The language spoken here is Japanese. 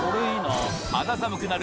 肌寒くなる